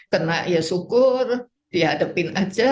kena ya syukur dihadapin aja